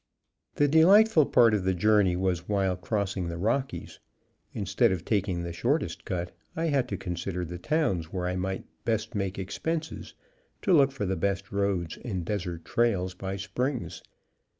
The delightful part of the journey was while crossing the Rockies. Instead of taking the shortest cut, I had to consider the towns where I might best make expenses, to look for the best roads and desert trails by springs.